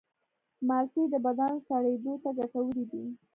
مالټې د بدن سړېدو ته ګټورې دي.